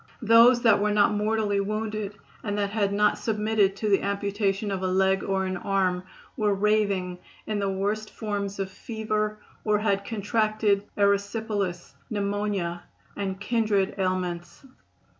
Those that were not mortally wounded and that had not submitted to the amputation of a leg or an arm were raving in the worst forms of fever or had contracted erysipelas, pneumonia and kindred ailments.